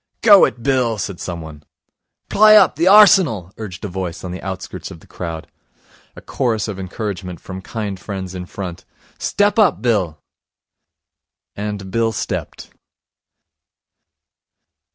'Gow it, Bill!' said someone. 'Pliy up, the Arsenal!' urged a voice on the outskirts of the crowd. A chorus of encouragement from kind friends in front: 'Step up, Bill!' And Bill stepped.